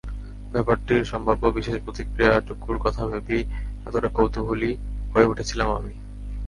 ব্যাপারটির সম্ভাব্য বিশেষ প্রতিক্রিয়াটুকুর কথা ভেবেই এতটা কৌতুহলী হয়ে উঠেছিলাম আমি।